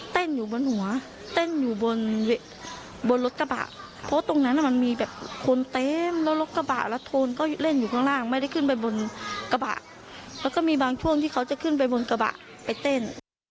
อยู่บนหัวเต้นอยู่บนรถกระบะเพราะตรงนั้นมันมีแบบคนเต็มแล้วรถกระบะแล้วโทนก็เล่นอยู่ข้างล่างไม่ได้ขึ้นไปบนกระบะแล้วก็มีบางช่วงที่เขาจะขึ้นไปบนกระบะไปเต้น